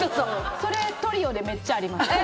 それ、トリオでめっちゃあります。